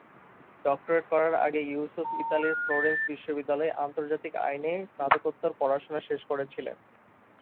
Doctorate করার আগে ইউসুফ ইতালির ফ্লোরেন্স বিশ্ববিদ্যালয়ে আন্তর্জাতিক আইনে স্নাতকোত্তর পড়াশোনা শেষ করেছিলেন।